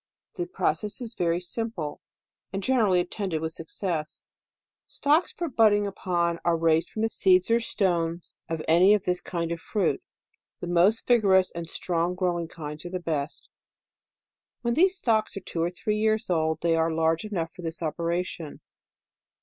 The process is very simple, and generally attended with success. Stocks for budding upon, are raised from the seeds or stones of any of this kind of fruit. The most vigorous and strong growing kinds are the best. When these stocks are two or three years old, they are large enough for this opera tion.